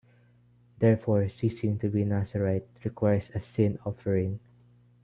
Therefore, ceasing to be nazirite requires a sin-offering.